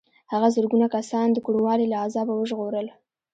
هغه زرګونه کسان د کوڼوالي له عذابه وژغورل.